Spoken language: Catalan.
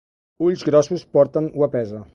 Ulls grossos porten guapesa.